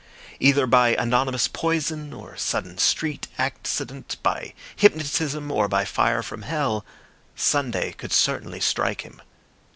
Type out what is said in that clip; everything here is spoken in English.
Either by anonymous poison or sudden street accident, by hypnotism or by fire from hell, Sunday could certainly strike him.